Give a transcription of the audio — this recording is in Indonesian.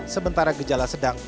sementara gejala sedang